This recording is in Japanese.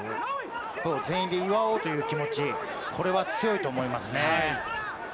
全員で奪おうという気持ちは強いと思いますね。